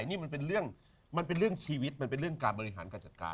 นี่มันเป็นเรื่องมันเป็นเรื่องชีวิตมันเป็นเรื่องการบริหารการจัดการ